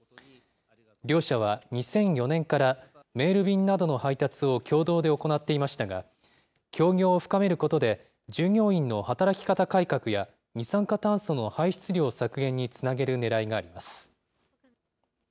両社は２００４年から、メール便などの配達を共同で行っていましたが、協業を深めることで、従業員の働き方改革や二酸化炭素の排出量削減につなげるねらいがあります。